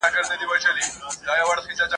سهار ډکه هدیره سي له زلمیو شهیدانو ..